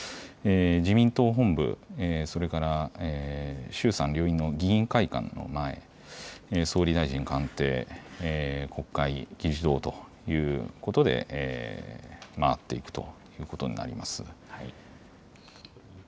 自民党本部、それから衆参両院の議員会館の前、総理大臣官邸、国会議事堂ということで回っていくということになります。